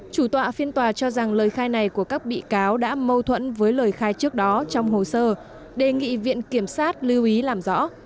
chủ tọa phiên tòa cho rằng lời khai này của các bị cáo đã mâu thuẫn với lời khai trước đó trong hồ sơ đề nghị viện kiểm sát lưu ý làm rõ